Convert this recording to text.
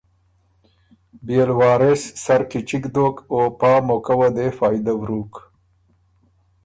بيې ل وارث سر کی چِګ دوک او پا موقع وه دې فائده وروک